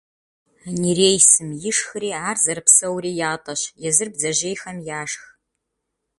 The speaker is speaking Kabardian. Нереисым ишхри ар зэрыпсэури ятӀэщ, езыр бдзэжьейхэм яшх.